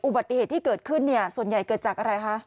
อุบัติเหตุที่เกิดขึ้นเนี่ยส่วนใหญ่เกิดจากอะไรคะ